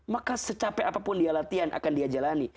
maka secapek apapun dia latihan akan dia jalani